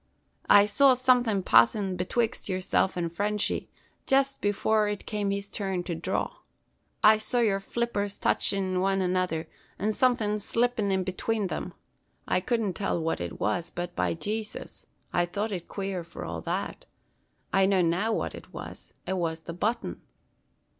I saw somethin' passin' betwixt yerself and Frenchy, jest before it come his turn to dhraw. I saw yer flippers touchin' van another, an' somethin' slippin' in betwane them. I couldn't tell phwat it was, but, by Jaysus! I thought it quare for all that. I know now phwhat it was, it was the button."